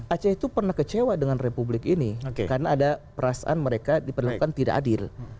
aceh itu pernah kecewa dengan republik ini karena ada perasaan mereka diperlakukan tidak adil